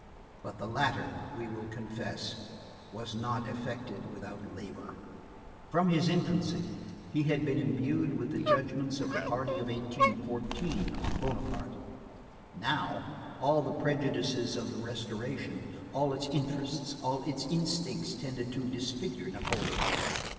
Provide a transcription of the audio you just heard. But the latter, we will confess, was not effected without labor. From his infancy, he had been imbued with the judgments of the party of 1814, on Bonaparte. Now, all the prejudices of the Restoration, all its interests, all its instincts tended to disfigure Napoleon.